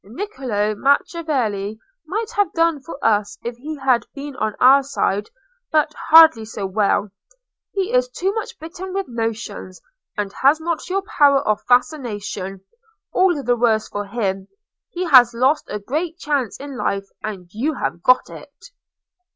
Niccolò Macchiavelli might have done for us if he had been on our side, but hardly so well. He is too much bitten with notions, and has not your power of fascination. All the worse for him. He has lost a great chance in life, and you have got it."